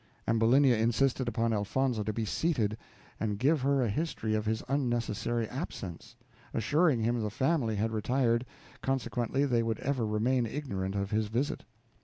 Ambulinia insisted upon Elfonzo to be seated, and give her a history of his unnecessary absence; assuring him the family had retired, consequently they would ever remain ignorant of his visit.